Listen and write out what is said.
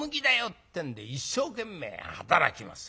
ってんで一生懸命働きます。